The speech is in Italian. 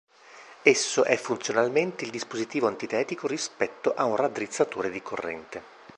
Esso è funzionalmente il dispositivo antitetico rispetto a un raddrizzatore di corrente.